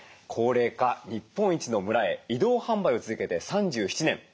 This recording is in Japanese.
高齢化日本一の村へ移動販売を続けて３７年。